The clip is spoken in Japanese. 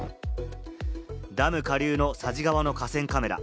ダム下流の佐治川の河川カメラ。